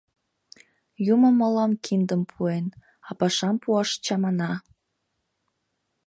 Юмо мылам киндым пуэн, а пашам пуаш чамана.